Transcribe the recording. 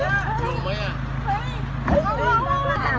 หากช่วงเวลาสามารถการการตาม